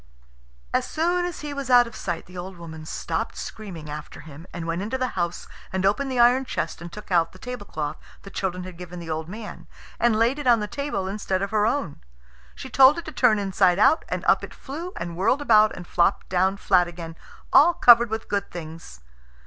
As soon as he was out of sight the old woman stopped screaming after him, and went into the house and opened the iron chest and took out the tablecloth the children had given the old man, and laid it on the table instead of her own. She told it to turn inside out, and up it flew and whirled about and flopped down flat again, all covered with good things.